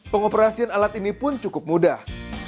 pengoperasian alat ini pun cukup mudah